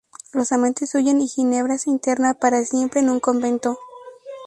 Los amantes huyen y Ginebra se interna para siempre en un convento.